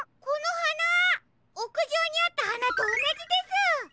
このはなおくじょうにあったはなとおなじです！